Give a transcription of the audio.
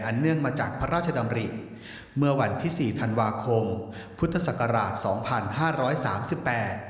เนื่องมาจากพระราชดำริเมื่อวันที่สี่ธันวาคมพุทธศักราชสองพันห้าร้อยสามสิบแปด